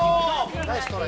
ナイストライ。